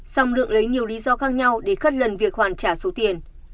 xong lượng lấy nhiều lý do khác nhau để khất lần việc hoàn trả số tiền